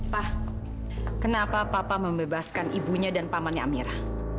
pak kenapa papa membebaskan ibunya dan pamannya amirah